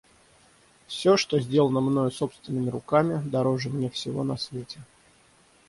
Всё, что сделано мною собственными руками, дороже мне всего на свете.